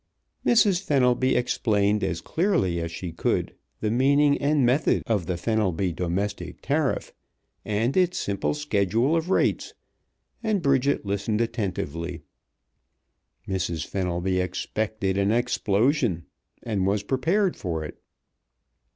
Mrs. Fenelby explained as clearly as she could the meaning and method of the Fenelby Domestic Tariff, and its simple schedule of rates, and Bridget listened attentively. Mrs. Fenelby expected an explosion, and was prepared for it.